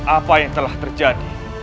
apa yang telah terjadi